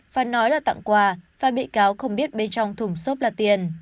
văn nói là tặng quà và bị cáo không biết bên trong thùng xốp là tiền